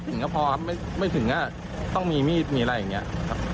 ทำได้ถึงขนาดนี้ครับ